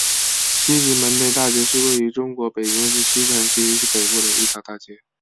西直门内大街是位于中国北京市西城区北部的一条大街。